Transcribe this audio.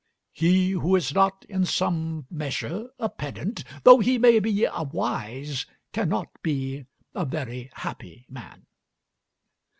He who is not in some measure a pedant, though he may be a wise, cannot be a very happy man."